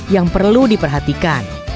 yang perlu diperhatikan